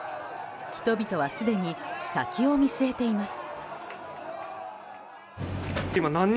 人々はすでに先を見据えています。